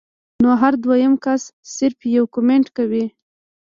نو هر دويم کس صرف يو کمنټ کوي